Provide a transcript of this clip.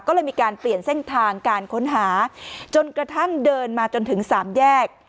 ก็เลยมีการเปลี่ยนเส้นทางการค้นหาจนกระทั่งเดินมาจนถึงสามแยก